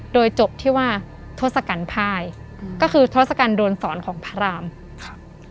โดยจบที่ว่าทศกัณฐ์ภายอืมก็คือทศกัณฐวนสอนของพระรามครับ